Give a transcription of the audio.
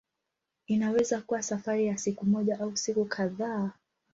Inaweza kuwa safari ya siku moja au siku kadhaa.